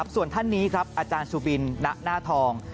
ส่วนท่านนี้ครับอาจารย์สุบินณหน้าทอง